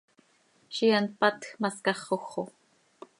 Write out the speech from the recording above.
Ziix hant cpatj ma scaxoj xo!